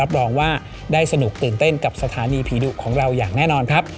รองว่าได้สนุกตื่นเต้นกับสถานีผีดุของเราอย่างแน่นอนครับ